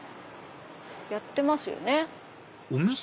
やってますよね。